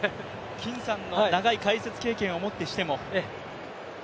金さんの長い解説経験をもってしても。